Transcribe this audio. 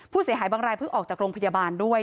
ผู้เสียหายบางรายเพิ่งออกจากโรงพยาบาลด้วย